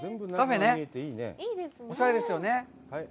おしゃれですよね。